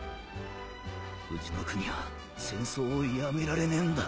うちの国は戦争をやめられねえんだ